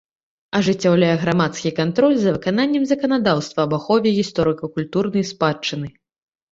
Ажыццяўляе грамадскі кантроль за выкананнем заканадаўства аб ахове гісторыка-культурнай спадчыны.